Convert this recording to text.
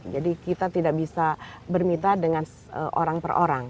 jadi kita tidak bisa bermitra dengan orang per orang